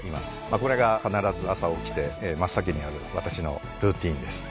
これが必ず朝起きて真っ先にやる私のルーティンです。